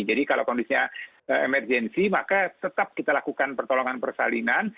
jadi kalau kondisinya emergensi maka tetap kita lakukan pertolongan persalinan